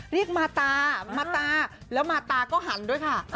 เรียกมาตามาตาแล้วมาตาก็หันด้วยค่ะ